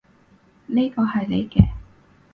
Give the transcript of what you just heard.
呢個係你嘅